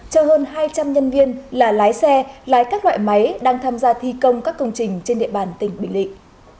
cho hơn hai trăm linh nhân viên là lái xe lái các loại máy đang tham gia thi công các công trình trên địa bàn tỉnh bình định